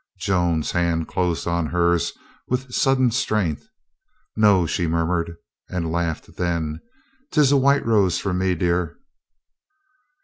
Joan's hand closed on hers with sudden strength. "No," she murmured, and laughed then. " 'Tis a white rose for me, dear."